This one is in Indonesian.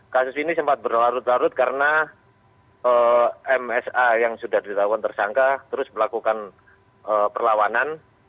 kasus ini sempat berlarut larut karena msa yang sudah ditahuan tersangka terus melakukan perlawanan